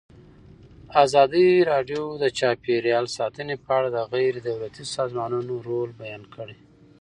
ازادي راډیو د چاپیریال ساتنه په اړه د غیر دولتي سازمانونو رول بیان کړی.